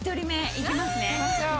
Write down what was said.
いきます。